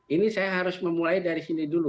ini saya harus memulai dari sini dulu